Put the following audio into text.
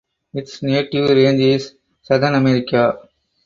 Its native range is Southern America.